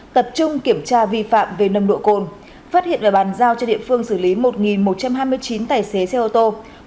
tập trung kiểm tra vi phạm về nồng độ cồn phát hiện và bàn giao cho địa phương xử lý một một trăm hai mươi chín tài xế xe ô tô